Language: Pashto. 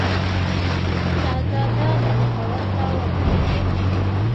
شهزاده پېښور ته ورسېدی.